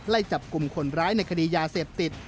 ไล่จับกลุ่มคนร้ายในคดียาเสพติด